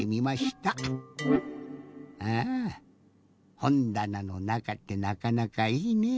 あぁほんだなのなかってなかなかいいね。